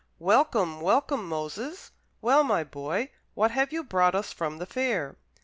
"Welcome, welcome, Moses; well, my boy, what have you brought us from the fair?"